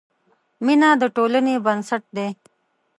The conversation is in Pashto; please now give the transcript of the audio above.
مینه د ټولنې بنسټ دی.